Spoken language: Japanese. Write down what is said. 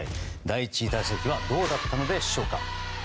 第１打席はどうだったんでしょうか。